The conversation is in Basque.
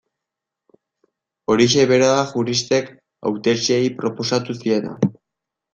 Horixe bera da juristek hautetsiei proposatu ziena.